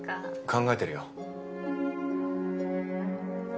考えてるよ。